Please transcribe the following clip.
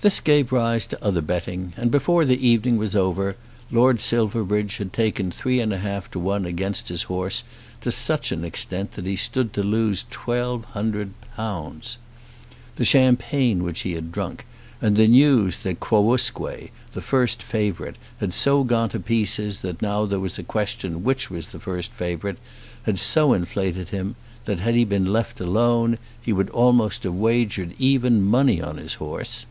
This gave rise to other betting, and before the evening was over Lord Silverbridge had taken three and a half to one against his horse to such an extent that he stood to lose twelve hundred pounds. The champagne which he had drunk, and the news that Quousque, the first favourite, had so gone to pieces that now there was a question which was the first favourite, had so inflated him that, had he been left alone, he would almost have wagered even money on his horse.